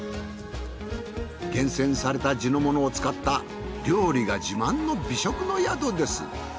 厳選された地のものを使った料理が自慢の美食の宿です。